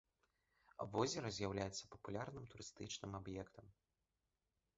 Возера з'яўляецца папулярным турыстычным аб'ектам.